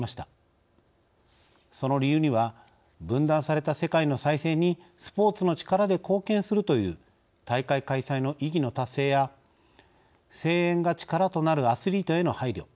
その理由には分断された世界の再生にスポーツの力で貢献するという大会開催の意義の達成や声援が力となるアスリートへの配慮